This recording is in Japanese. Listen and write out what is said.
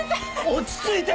落ち着いて！